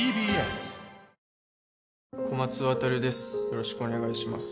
よろしくお願いします